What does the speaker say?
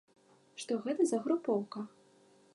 Што гэта за групоўка?